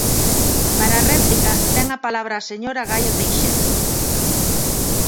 Para réplica, ten a palabra a señora Gaio Teixedo.